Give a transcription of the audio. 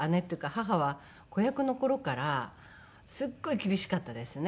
母は子役の頃からすっごい厳しかったですね。